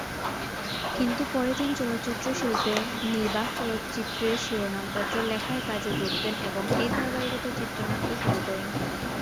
কিন্তু পরে তিনি চলচ্চিত্র শিল্পে নির্বাক চলচ্চিত্রের শিরোনাম পত্র লেখার কাজে যোগ দেন এবং এই ধারাবাহিকতায় চিত্রনাট্য রচনা শুরু করেন।